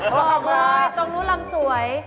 เขาว่าเข้าไปตรงนี้ลำซวย